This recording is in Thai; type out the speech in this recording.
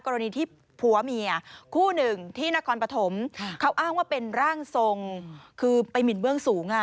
กรณีที่ผัวเมียคู่หนึ่งที่นครปฐมเขาอ้างว่าเป็นร่างทรงคือไปหมินเบื้องสูง